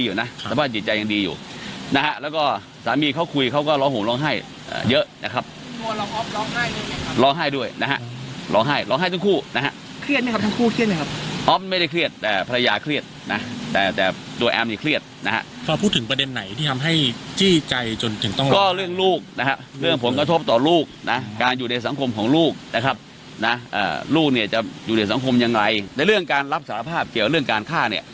ว่าลูกเนี่ยจะอยู่ในสังคมยังไงแต่เรื่องการรับสารภาพเกี่ยวกับเรื่องการฆ่าเนี่ย